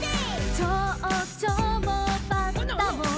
「ちょうちょもバッタも」